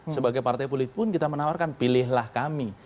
sebagai partai politik pun kita menawarkan pilihlah kami